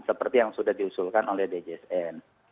seperti yang sudah diusulkan oleh djsn